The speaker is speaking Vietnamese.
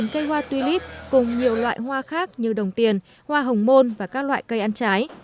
một mươi cây hoa tuy líp cùng nhiều loại hoa khác như đồng tiền hoa hồng môn và các loại cây ăn trái